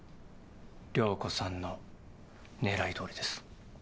涼子さんの狙いどおりです。